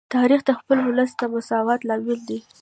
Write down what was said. تاریخ د خپل ولس د مساوات لامل دی.